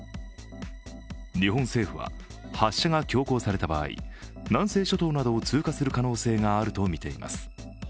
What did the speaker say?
日本政府は発射が強行された場合、南西諸島などを通過する可能性があるとみています。